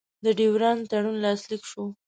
د ډیورنډ تړون لاسلیک شو.